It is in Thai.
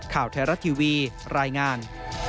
ข่าวเทราะทีวีรายงาน